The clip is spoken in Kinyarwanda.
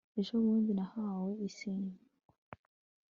ejo bundi nahawe inseko